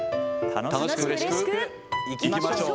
楽しくうれしくいきましょう。